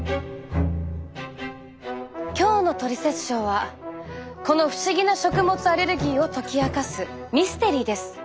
今日の「トリセツショー」はこの不思議な食物アレルギーを解き明かすミステリーです。